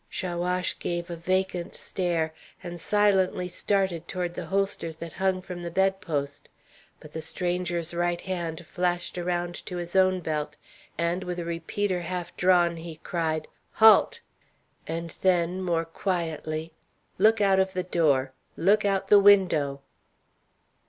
Chaouache gave a vacant stare, and silently started toward the holsters that hung from the bedpost; but the stranger's right hand flashed around to his own belt, and, with a repeater half drawn, he cried: "Halt!" And then, more quietly, "Look out of the door, look out the window."